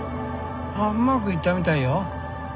あぁうまくいったみたいよ。